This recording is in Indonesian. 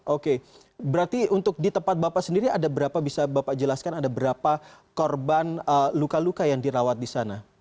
oke berarti untuk di tempat bapak sendiri ada berapa bisa bapak jelaskan ada berapa korban luka luka yang dirawat di sana